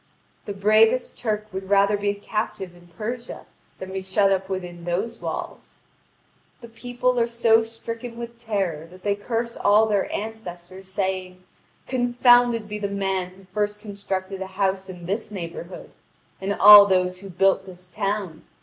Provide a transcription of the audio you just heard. The bravest Turk would rather be a captive in Persia than be shut up within those walls. The people are so stricken with terror that they curse all their ancestors, saying: "Confounded be the man who first constructed a house in this neighbourhood, and all those who built this town!